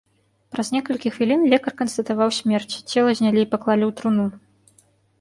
Праз некалькі хвілін лекар канстатаваў смерць, цела знялі і паклалі ў труну.